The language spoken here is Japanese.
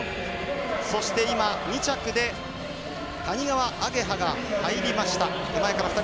そして、２着で谷川亜華葉が入りました。